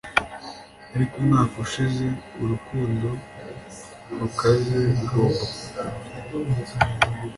Ariko umwaka ushize urukundo rukaze rugomba kuguma